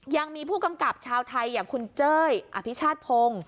ยังมีผู้กำกับชาวไทยอย่างคุณเจ้ยอภิชาติพงศ์